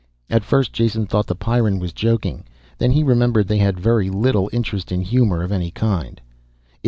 At first Jason thought the Pyrran was joking. Then he remembered they had very little interest in humor of any kind.